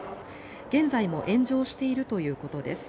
現在も炎上しているということです。